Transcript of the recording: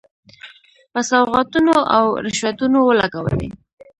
په سوغاتونو او رشوتونو ولګولې.